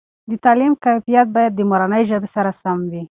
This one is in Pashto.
دتعلیم کیفیت باید د مورنۍ ژبې سره سم وي.